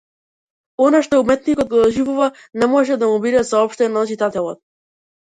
Она што уметникот го доживува, не може да му биде соопштено на читателот.